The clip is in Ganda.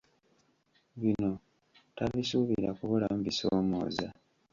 Bino tabisuubira kubulamu bisoomooza.